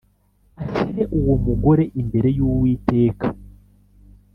Ashyire uwo mugore imbere y Uwiteka